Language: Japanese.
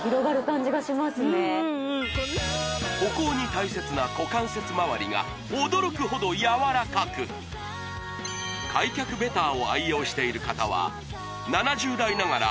歩行に大切な股関節まわりが驚くほど柔らかく開脚ベターを愛用している方は７０代ながら